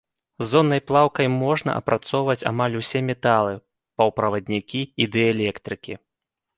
Зоннай плаўкай можна апрацоўваць амаль усе металы, паўправаднікі і дыэлектрыкі.